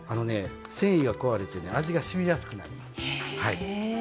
繊維が壊れて味がしみやすくなります。